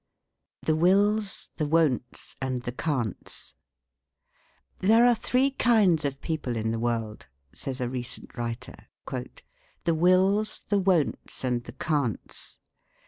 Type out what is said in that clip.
"THE WILLS, THE WON'TS, AND THE CAN'TS." "There are three kinds of people in the world," says a recent writer, "the wills, the won'ts, and the can'ts.